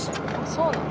そうなん？